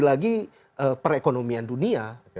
lagi perekonomian dunia